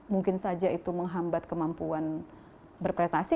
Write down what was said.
mungkin saja itu menghambat kemampuan berprestasi